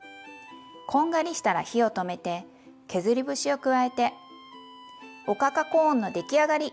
こんがりしたら火を止めて削り節を加えておかかコーンの出来上がり！